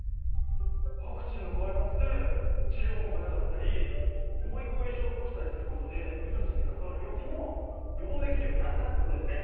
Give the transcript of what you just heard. ワクチンの開発で治療法がなかったり重い後遺症を起こしたりすることで命に関わる病気も予防できるようになったってことですね。